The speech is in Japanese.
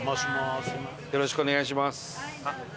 伊達：よろしくお願いします。